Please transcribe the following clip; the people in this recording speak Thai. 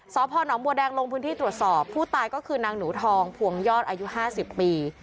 สพนบัวแดงลงพื้นที่ตรวจสอบผู้ตายก็คือนางหนูทองพวงยอดอายุ๕๐ปี